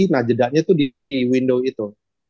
nah jedanya itu di window itu